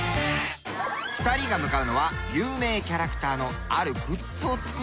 ２人が向かうのは有名キャラクターのあるグッズを作っている企業。